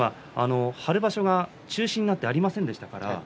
春場所が中止になってありませんでした。